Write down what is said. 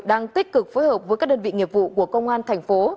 đang tích cực phối hợp với các đơn vị nghiệp vụ của công an thành phố